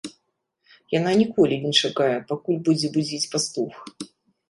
Яна ніколі не чакае, пакуль будзе будзіць пастух.